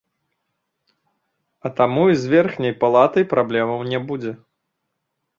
А таму і з верхняй палатай праблемаў не будзе.